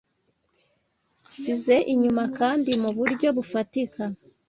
nsize inyuma kandi mu buryo bufatika